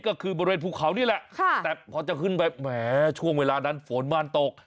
ก็คือบริเวณภูเขานี่แหละแต่พอจะขึ้นไปแหมช่วงเวลานั้นฝนมันตก